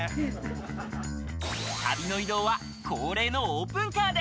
旅の移動は恒例のオープンカーで。